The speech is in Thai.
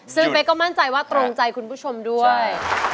ซึ่งเป๊กก็มั่นใจว่าตรงใจคุณผู้ชมด้วย